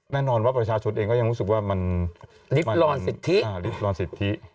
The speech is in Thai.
แน่นอนว่าประชาชนเองก็ยังรู้สึกว่ามันรีบรอนสิทธิ